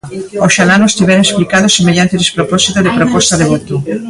Oxalá nos tivera explicado semellante despropósito de proposta de voto.